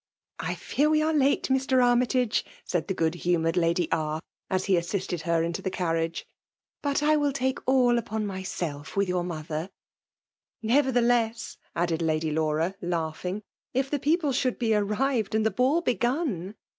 " I fear we are late, Mr. Armytagc," said the good humoured Lady R, as he assisted her into the carriage ;'^ but I will take all upon myself with your mother/' *' Nevertheless," added Lady Laura> laugh ing, " if the people should be arrived, and the ball begun